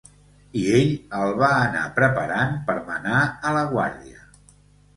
I ell el va anar preparant per manar a la guàrdia.